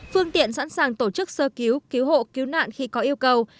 phương tiện sẵn sàng tổ chức sơ cứu cứu hộ cứu nạn khi có yêu cầu